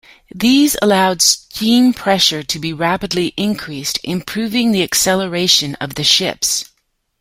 These allowed steam pressure to be rapidly increased, improving the acceleration of the ships.